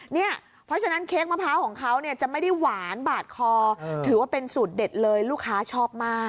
เพราะฉะนั้นเค้กมะพร้าวของเขาเนี่ยจะไม่ได้หวานบาดคอถือว่าเป็นสูตรเด็ดเลยลูกค้าชอบมาก